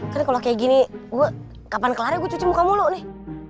karena kalau kayak gini gue kapan kelarnya gue cuci muka mulu nih